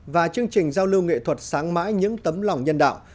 và chương trình giao lưu nghệ thuật sáng mãi những tấm lòng nhân đạo